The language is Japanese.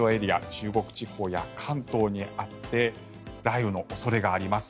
中国地方や関東にあって雷雨の恐れがあります。